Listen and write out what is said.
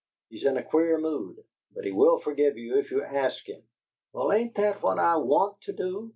He's in a queer mood; but he will forgive you if you ask him " "Well, ain't that what I WANT to do!"